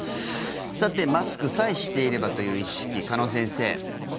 さて、マスクさえしていればという意識、鹿野先生。